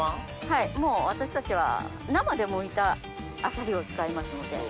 はいもう私たちは生でむいたあさりを使いますので。